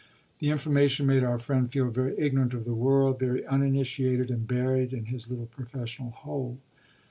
The information made our friend feel very ignorant of the world, very uninitiated and buried in his little professional hole.